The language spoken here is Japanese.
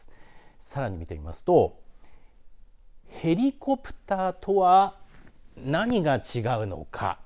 さらに見てみますとヘリコプターとは何が違うのか。